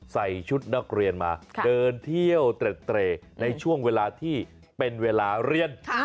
ใส่ชุดนักเรียนมาเดินเที่ยวเตร็ดในช่วงเวลาที่เป็นเวลาเรียน